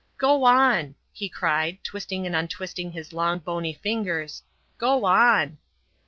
"Go on!" he cried, twisting and untwisting his long, bony fingers, "go on!"